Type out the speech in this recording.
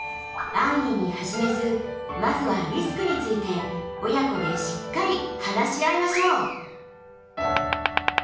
安易に始めずまずはリスクについて親子でしっかり話し合いましょう。